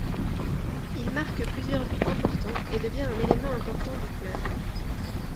Il marque plusieurs buts importants et devient un élément important du club.